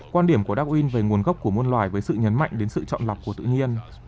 quan điểm của dun về nguồn gốc của một loài với sự nhấn mạnh đến sự chọn lọc của tự nhiên